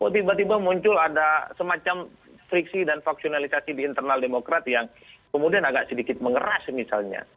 tiba tiba muncul ada semacam friksi dan vaksionalisasi di internal demokrat yang kemudian agak sedikit mengeras misalnya